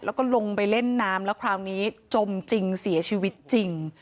แล้วก็ลงไปเล่นน้ำแล้วคราวนี้จมจริงเสียชีวิตจริง